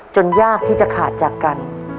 ยากที่จะขาดจากกัน